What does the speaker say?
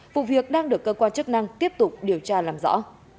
vụ việc đang được cơ quan chức năng tiếp tục điều tra làm rõ